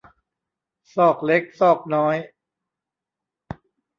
ซอกเล็กซอกน้อย